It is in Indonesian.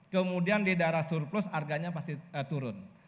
kemudian di daerah surplus harganya pasti turun